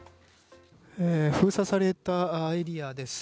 封鎖されたエリアです。